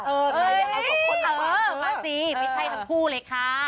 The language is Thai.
เออไปสิไม่ใช่ทั้งคู่เลยค่ะ